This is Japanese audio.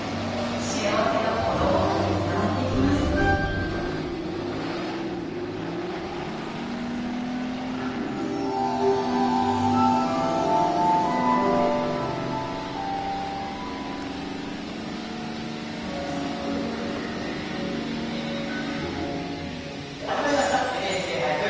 幸せがほのぼのと伝わってきます始まりました「ＮＨＫ俳句」。